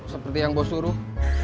seperti yang bos suruh